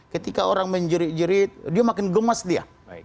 ketika orang menjerit jerit dia makin gemas dia